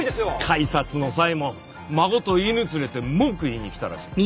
開札の際も孫と犬連れて文句言いに来たらしい。